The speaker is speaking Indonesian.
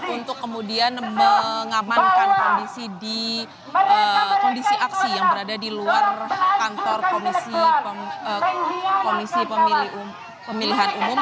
untuk kemudian mengamankan kondisi di kondisi aksi yang berada di luar kantor komisi pemilihan umum